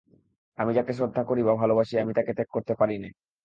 আমি যাকে শ্রদ্ধা করি বা ভালোবাসি তাকে আমি ত্যাগ করতে পারি নে।